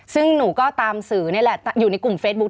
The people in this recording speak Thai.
ซึ่งหนูก็ตามสื่อนี่แหละอยู่ในกลุ่มเฟซบุ๊